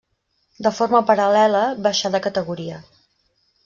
De forma paral·lela baixà de categoria.